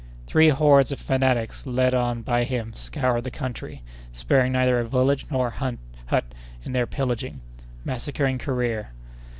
Three hordes of fanatics led on by him scoured the country, sparing neither a village nor a hut in their pillaging, massacring career.